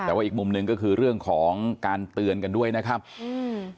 แต่ว่าอีกมุมหนึ่งก็คือเรื่องของการเตือนกันด้วยนะครับอืม